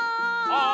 あ！